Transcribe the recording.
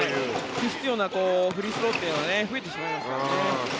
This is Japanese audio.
不必要なフリースローというのが増えてしまいますからね。